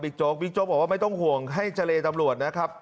โจ๊กบิ๊กโจ๊กบอกว่าไม่ต้องห่วงให้เจรตำรวจนะครับ